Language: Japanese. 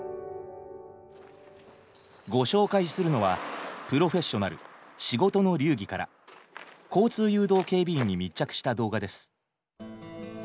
ご紹介するのは「プロフェッショナル仕事の流儀」から交通誘導警備員に密着した動画です。